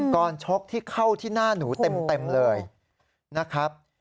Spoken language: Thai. ชกที่เข้าที่หน้าหนูเต็มเลยนะครับ